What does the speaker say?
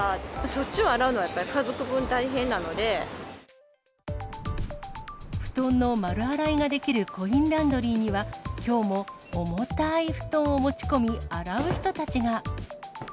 しょっちゅう洗うのは、布団の丸洗いができるコインランドリーには、きょうも重たい布団を持ち込み洗う人たちが。